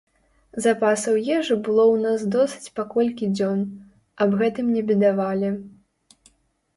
Запасаў ежы было ў нас досыць па колькі дзён, аб гэтым не бедавалі.